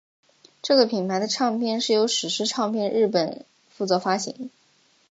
这个品牌的唱片是由史诗唱片日本负责发行。